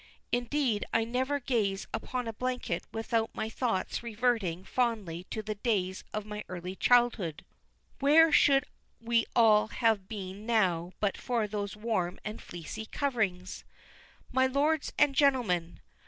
Indeed, I never gaze upon a blanket without my thoughts reverting fondly to the days of my early childhood. Where should we all have been now but for those warm and fleecy coverings? My Lords and Gentlemen!